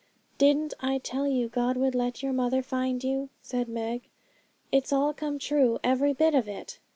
'Didn't I tell you God would let your mother find you?' said Meg; 'it's all come true, every bit of it.'